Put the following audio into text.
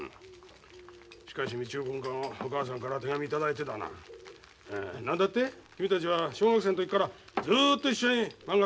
しかし道雄くんのお母さんから手紙頂いてだな何だって君たちは小学生の時からずっと一緒にまんが描いてたんだって？